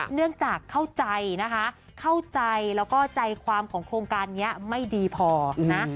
เนื่องจากเข้าใจนะคะเข้าใจแล้วก็ใจความของโครงการนี้ไม่ดีพอนะ